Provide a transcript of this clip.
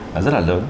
là rất là lớn